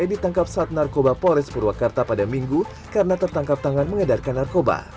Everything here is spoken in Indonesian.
ditangkap saat narkoba polres purwakarta pada minggu karena tertangkap tangan mengedarkan narkoba